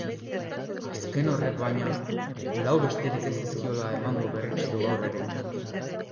Azken horrek baina, lau besterik ez dizkiola emango berretsi du gaur ere.